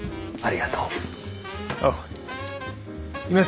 ありがとう。